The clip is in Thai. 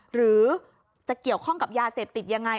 หรือจะเกี่ยวข้องกับยาเสพติดยังไง